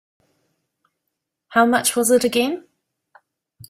How much was it again?